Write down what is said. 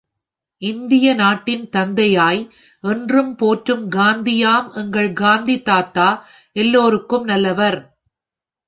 இந்திய நாட்டின் தந்தையாய் என்றும் போற்றும் காந்தியாம் எங்கள் காந்தி தாத்தா எல்லோருக்கும் நல்லவர்.